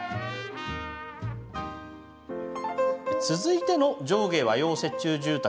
続いての上下和洋折衷住宅。